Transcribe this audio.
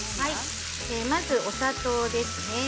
まずお砂糖ですね。